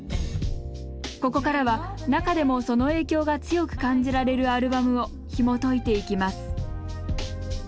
ここからは中でもその影響が強く感じられるアルバムをひもといていきます